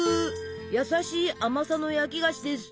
優しい甘さの焼き菓子です。